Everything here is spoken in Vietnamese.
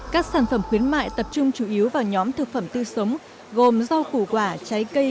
các sản phẩm khuyến mại tập trung chủ yếu vào nhóm thực phẩm tươi sống gồm rau củ quả trái cây